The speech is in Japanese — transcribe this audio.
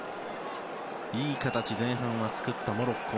いい形を前半に作ったモロッコ。